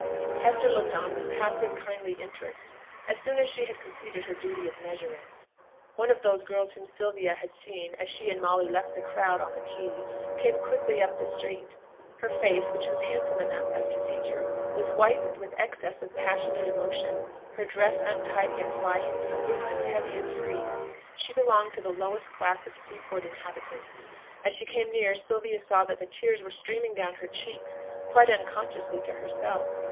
Hester looked on with passive, kindly interest, as soon as she had completed her duty of measuring. One of those girls whom Sylvia had seen as she and Molly left the crowd on the quay, came quickly up the street. Her face, which was handsome enough as to feature, was whitened with excess of passionate emotion, her dress untidy and flying, her movements heavy and free. She belonged to the lowest class of seaport inhabitants. As she came near, Sylvia saw that the tears were streaming down her cheeks, quite unconsciously to herself.